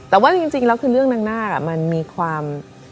แต่ว่าจริงแล้วคือเรื่องนางนาคมันมีความ